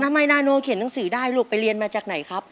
นานาโนเขียนหนังสือได้ลูกไปเรียนมาจากไหนครับ